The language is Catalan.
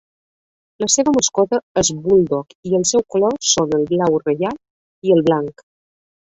La seva mascota és Bulldog i els seus colors són el blau reial i el blanc.